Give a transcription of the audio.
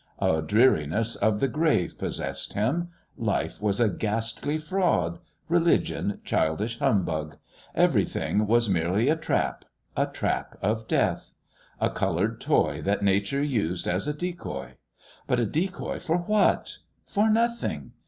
A dreariness of the grave possessed him. Life was a ghastly fraud! Religion childish humbug! Everything was merely a trap a trap of death; a coloured toy that Nature used as a decoy! But a decoy for what? For nothing!